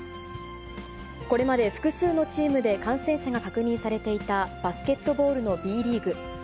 これまで複数のチームで感染者が確認されていたバスケットボールのＢリーグ。